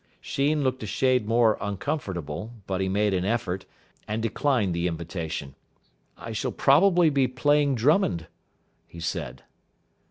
Sheen looked a shade more uncomfortable, but he made an effort, and declined the invitation. "I shall probably be playing Drummond," he said.